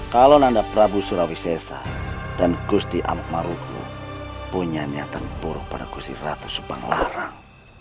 kalau nanda prabu surawi sessa dan gusti amok marugo punya niatan buruk pada gusti ratu subang larang